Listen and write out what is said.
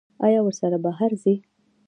ایا ورسره بهر ځئ؟